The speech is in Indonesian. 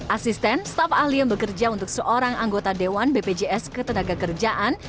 asisten staf ahli yang bekerja untuk seorang anggota dewan bpjs ketenaga kerjaan